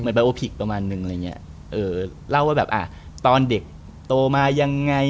บาโอพิกประมาณนึงอะไรอย่างเงี้ยเออเล่าว่าแบบอ่ะตอนเด็กโตมายังไง